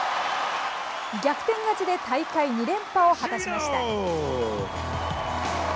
逆転勝ちで大会２連覇を果たしました。